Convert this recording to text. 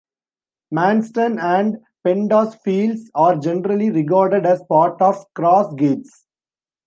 Manston and Pendas Fields are generally regarded as part of Cross Gates.